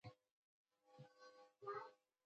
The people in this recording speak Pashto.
ماشوم په خوب ویده دی.